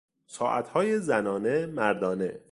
ساعتهای زنانه - مردانه